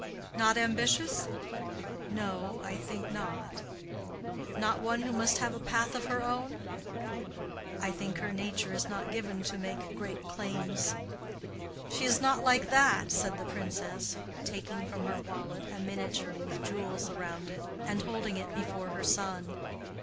"Not ambitious?" "No, I think not." "Not one who must have a path of her own?" "I think her nature is not given to make great claims." "She is not like that?" said the Princess, taking from her wallet a miniature with jewels around it, and holding it before her son.